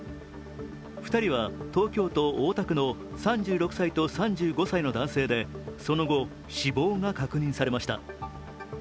２人は東京都大田区の３６歳と３５歳の男性でその後、死亡が確認されました。